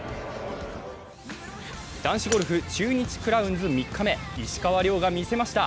男子ゴルフ、中日クラウンズ３日目、石川遼が見せました。